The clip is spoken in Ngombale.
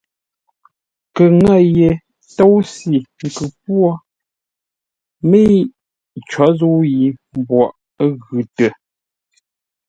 Kə́ ŋə̂ yé tóusʉ nkʉ po, mə́i có zə̂u yi mboʼ ə́ ghʉ tə.